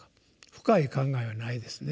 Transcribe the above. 深い考えはないですね。